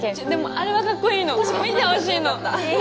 あれはカッコいいの見てほしいの